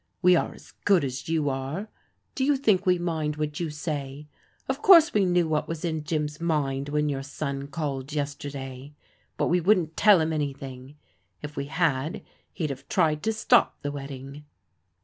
We are as good as you are. Do you think we mind what you say? Of course we knew what was in Jim's mind when your son called yesterday: but we wouldn't tell him anything. If we had, he'd have tried to stop the wedding."